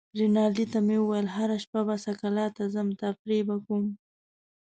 رینالډي ته مې وویل: هره شپه به سکالا ته ځم، تفریح به کوم.